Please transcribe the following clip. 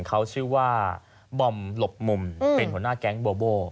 เขาชื่อว่าบอมหลบมุมเป็นหัวหน้าแก๊งโบโบ